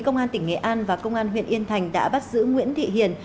công an tỉnh nghệ an và công an huyện yên thành đã bắt giữ nguyễn thị hiền